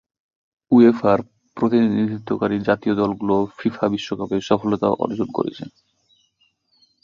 উয়েফার প্রতিনিধিত্বকারী জাতীয় দলগুলো ফিফা বিশ্বকাপে সফলতা অর্জন করেছে।